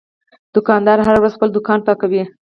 دا دوکاندار هره ورځ خپل دوکان پاکوي.